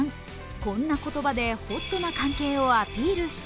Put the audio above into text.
こんな言葉でホットな関係をアピールした。